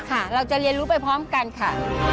ค่ะเราจะเรียนรู้ไปพร้อมกันค่ะ